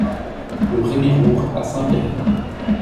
Rue Rémy Roure à Saint-Péray